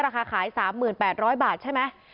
ราคาขาย๓๘๐๐บาทใช่ไหม